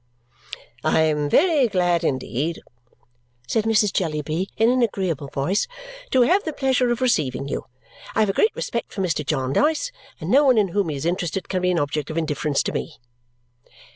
"I am very glad indeed," said Mrs. Jellyby in an agreeable voice, "to have the pleasure of receiving you. I have a great respect for Mr. Jarndyce, and no one in whom he is interested can be an object of indifference to me."